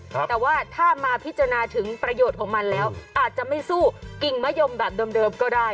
แต่ว่าถ้ามาพิจารณาถึงประโยชน์ของมันแล้วอาจจะไม่สู้กิ่งมะยมแบบเดิมก็ได้